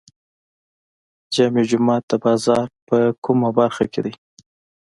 جامع جومات د بازار په کومه برخه کې دی؟